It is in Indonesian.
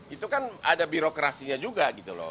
itu kan ada birokrasinya juga